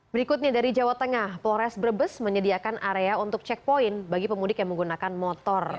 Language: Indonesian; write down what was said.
berikutnya dari jawa tengah polres brebes menyediakan area untuk checkpoint bagi pemudik yang menggunakan motor